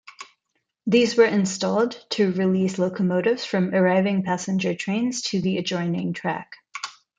These were installed to release locomotives from arriving passenger trains to the adjoining track.